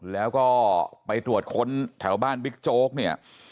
แล้วก็ไปตรวจค้นแถวบ้านบิ๊กโจ๊กเนี่ย